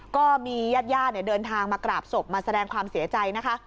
ก็มีญาติญาติเดินทางมากราบศพมาแสดงความเสียใจนะคะ